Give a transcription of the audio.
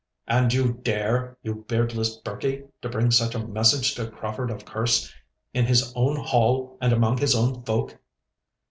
'And you dare, you beardless birkie, to bring such a message to Crauford of Kerse, in his own hall and among his own folk?